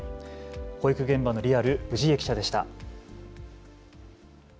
保育現場のリアル、氏家記者でした。